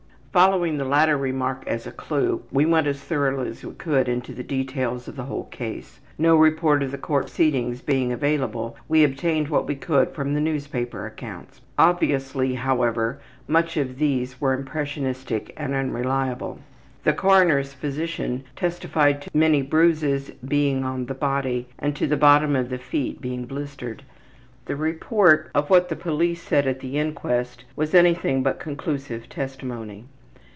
'' Following the latter remark as a clew we went as thoroughly as we could into the details of the whole case. No report of the court proceedings being available we obtained what we could from the newspaper accounts. Obviously, however, much of these was impressionistic and unreliable. The coroner's physician testified to many bruises being on the body, and to the bottom of the feet being blistered. The report of what the police said at the inquest made anything but conclusive testimony.